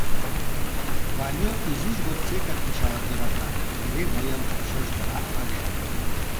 Ваню изиж годсекак пычалым йӧрата; эре мыйым чыждыра ыле: